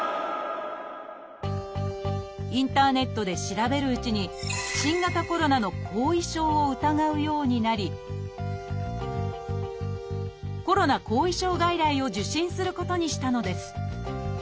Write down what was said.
インターネットで調べるうちに新型コロナの後遺症を疑うようになりコロナ後遺症外来を受診することにしたのです。